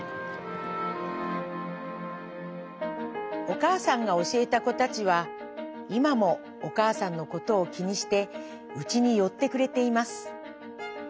「おかあさんがおしえた子たちはいまもおかあさんのことを気にしてうちによってくれています。